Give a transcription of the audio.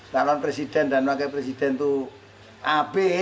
calon presiden dan wakil presiden itu ab